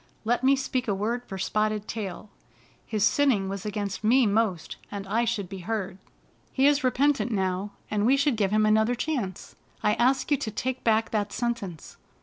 " Let me speak a word for Spotted Tail, His sinning was against me most, and I should be heard. He is repentant now, and we should give him another chance. I ask you to take back that sentence."